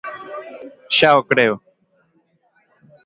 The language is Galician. ¡Xa o creo!